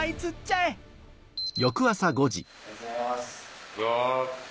おはようございます。